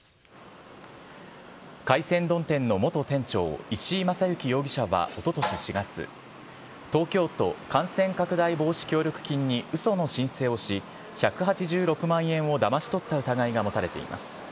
海鮮丼店の元店長、石井雅之容疑者はおととし４月、東京都感染拡大防止協力金にうその申請をし、１８６万円をだまし取った疑いが持たれています。